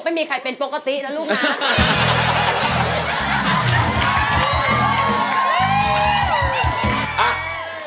ไม่มีใครเป็นปกตินะลูกนะ